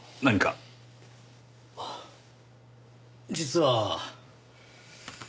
ああ実は。